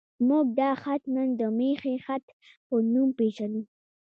موږ دا خط نن د میخي خط په نوم پېژنو.